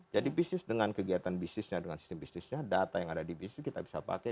jadi bisnis dengan kegiatan bisnisnya dengan sistem bisnisnya data yang ada di bisnis kita bisa pakai